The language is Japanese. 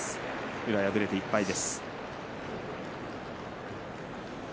宇良、敗れて１敗です。